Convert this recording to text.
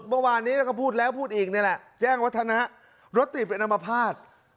เมื่อวานนี้แล้วก็พูดแล้วพูดอีกนี่แหละแจ้งวัฒนะรถติดเป็นอมภาษณ์